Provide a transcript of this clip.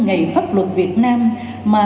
ngày pháp luật việt nam mà